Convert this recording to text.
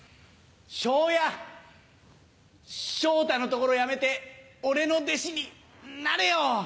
昇也昇太のところやめて俺の弟子になれよ！